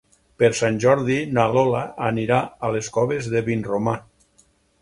Per Sant Jordi na Lola anirà a les Coves de Vinromà.